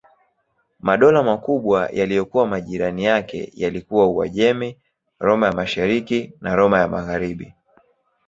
Madola makubwa yaliyokuwa majirani yake yalikuwa Uajemi, Roma ya Mashariki na Roma ya Magharibi.